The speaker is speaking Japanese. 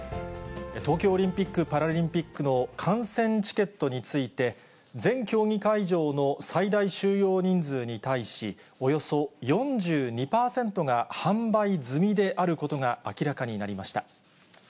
東京オリンピック・パラリンピックの観戦チケットについて、全競技会場の最大収容人数に対し、およそ４２％が販売済みであることが明らかになりました。